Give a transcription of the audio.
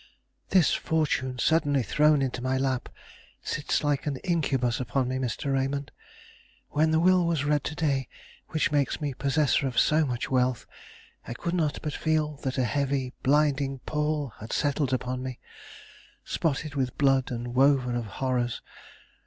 This fortune, suddenly thrown into my lap, sits like an incubus upon me, Mr. Raymond. When the will was read to day which makes me possessor of so much wealth, I could not but feel that a heavy, blinding pall had settled upon me, spotted with blood and woven of horrors.